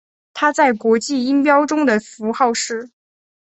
它在国际音标中的符号是。